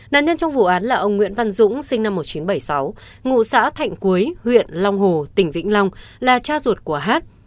nạn nhân trong vụ án là ông nguyễn văn dũng sinh năm một nghìn chín trăm bảy mươi sáu ngụ xã thạnh cuối huyện long hồ tỉnh vĩnh long là cha ruột của hát